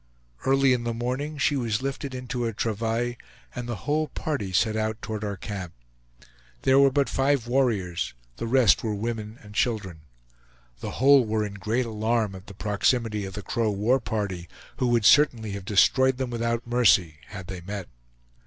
Early in the morning she was lifted into a travail, and the whole party set out toward our camp. There were but five warriors; the rest were women and children. The whole were in great alarm at the proximity of the Crow war party, who would certainly have destroyed them without mercy had they met.